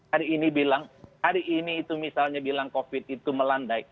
hari ini bilang hari ini itu misalnya bilang covid itu melandai